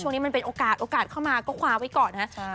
มันเป็นโอกาสโอกาสเข้ามาก็คว้าไว้ก่อนนะครับ